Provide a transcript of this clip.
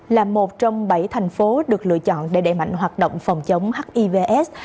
là một trong bảy thành phố được lựa chọn để đẩy mạnh hoạt động phòng chống hiv s